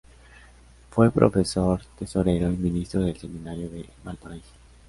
Fue profesor, tesorero y ministro del Seminario de Valparaíso.